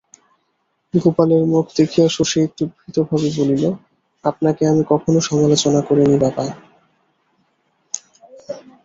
গোপালের মুখ দেখিয়া শশী একটু ভীতভাবে বলিল, আপনাকে আমি কখনো সমালোচনা করিনি বাবা।